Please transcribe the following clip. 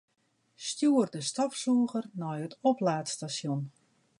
Stjoer de stofsûger nei it oplaadstasjon.